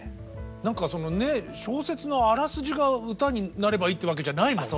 何かそのね小説のあらすじが歌になればいいってわけじゃないもんね。